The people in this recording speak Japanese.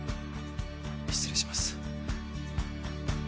失礼します。